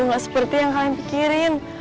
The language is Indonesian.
nggak seperti yang kalian pikirin